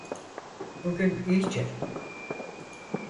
Bugün iyice!